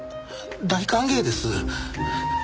大歓迎です。